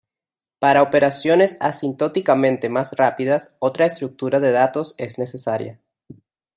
Para operaciones asintóticamente más rápidas otra estructura de datos es necesaria.